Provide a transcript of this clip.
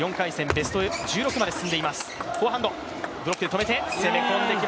ベスト１６まで進んでいます。